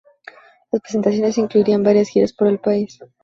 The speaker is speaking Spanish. Las presentaciones incluirían varias giras por el país.